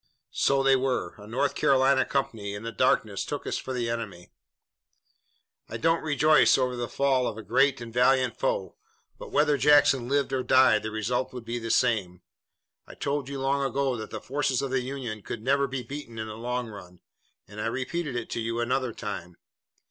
"So they were. A North Carolina company in the darkness took us for the enemy." "I don't rejoice over the fall of a great and valiant foe, but whether Jackson lived or died the result would be the same. I told you long ago that the forces of the Union could never be beaten in the long run, and I repeated it to you another time.